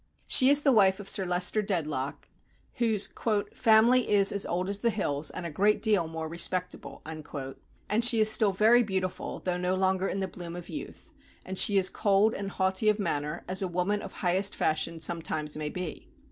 She is the wife of Sir Leicester Dedlock, whose "family is as old as the hills, and a great deal more respectable," and she is still very beautiful, though no longer in the bloom of youth, and she is cold and haughty of manner, as a woman of highest fashion sometimes may be.